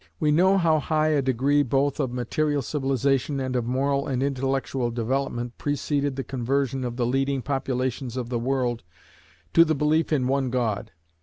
We know how high a degree both of material civilization and of moral and intellectual development preceded the conversion of the leading populations of the world to the belief in one God.